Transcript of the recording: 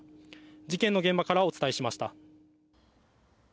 事件の現場からお伝えしました。